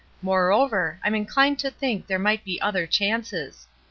Moreover, I'm inclined to think there might be other chances.